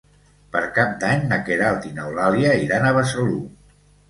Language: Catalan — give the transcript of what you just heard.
Per Cap d'Any na Queralt i n'Eulàlia iran a Besalú.